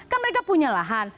kan mereka punya lahan